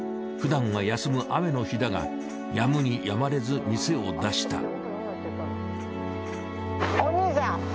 ふだんは休む雨の日だが止むに止まれず店を出した。